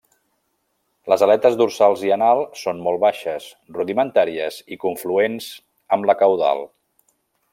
Les aletes dorsal i anal són molt baixes, rudimentàries i confluents amb la caudal.